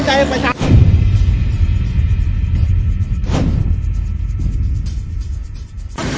ใจประชาชน